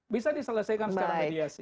bisa diselesaikan secara mediasi